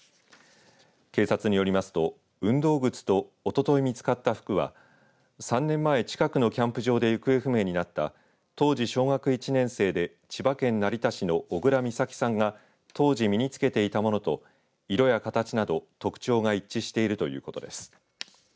警察によりますと運動靴とおととい見つかった服は３年前、近くのキャンプ場で行方不明になった当時小学１年生で千葉県成田市の小倉美咲さんが当時身につけていたものと色や形など特徴が一致しているということです。